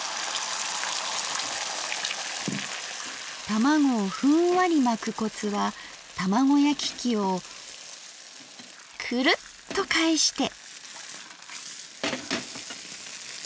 卵をふんわり巻くコツは卵焼き器をくるっと返して。